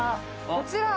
こちら！